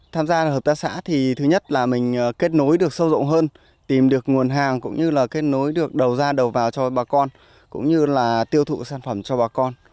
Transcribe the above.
tham gia hợp tác xã thì thứ nhất là mình kết nối được sâu rộng hơn tìm được nguồn hàng cũng như là kết nối được đầu ra đầu vào cho bà con cũng như là tiêu thụ sản phẩm cho bà con